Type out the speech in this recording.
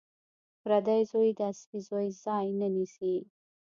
پردی زوی د اصلي زوی ځای نه نیسي